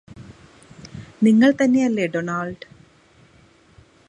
നിങ്ങള് തന്നെയല്ലേ ഡൊണാൾഡ്